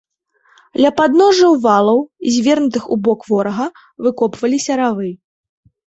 Ля падножжаў валаў, звернутых у бок ворага, выкопваліся равы.